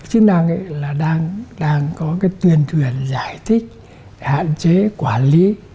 chúng ta nghĩ là đang có cái tuyền thuyền giải thích hạn chế quản lý